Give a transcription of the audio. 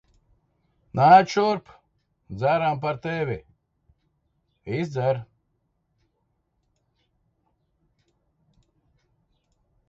Nāc šurp. Dzeram par tevi. Izdzer.